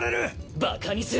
バカにする！